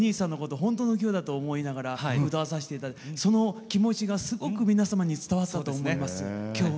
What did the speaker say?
本当の兄弟と思って歌わさせていただいてその気持ちがすごく皆様に伝わったと思います。